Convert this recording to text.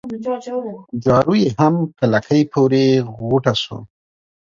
جارو يې هم په لکۍ پوري غوټه سو